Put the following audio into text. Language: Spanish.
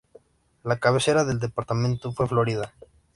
La cabecera del departamento fue Florida.